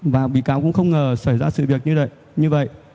và bị cáo cũng không ngờ xảy ra sự việc như vậy